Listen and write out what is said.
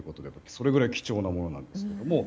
それぐらい貴重なものなんですけど。